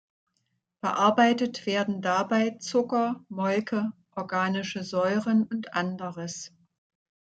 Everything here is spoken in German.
Verarbeitet werden dabei Zucker, Molke, organische Säuren und Anderes.